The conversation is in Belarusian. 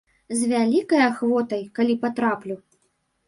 З вялікай ахвотай, калі патраплю.